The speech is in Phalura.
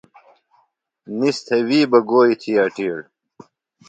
نِس تھےۡ وی بہ گوئی تھی اٹِیڑ۔